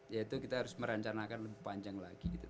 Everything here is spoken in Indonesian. yaitu kita harus merancangkan lebih panjang lagi gitu ya